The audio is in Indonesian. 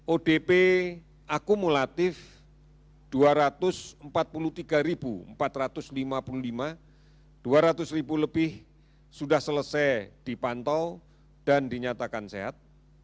odp akumulatif dua ratus empat puluh tiga empat ratus lima puluh lima dua ratus lebih sudah selesai dipantau dan dinyatakan sehat